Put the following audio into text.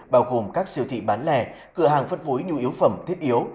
bao gồm các siêu thị bán lẻ cửa hàng phân phối nhu yếu phẩm thiết yếu